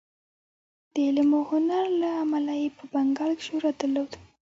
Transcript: د علم او هنر له امله یې په بنګال کې شهرت درلود.